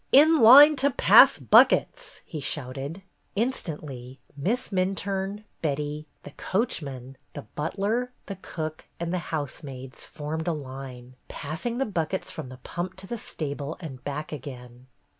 "In line to pass buckets!" he shouted. Instantly Miss Minturne, Betty, the coach man, the butler, the cook, and the housemaids formed a line, passing the buckets from the pump to the stable and back again.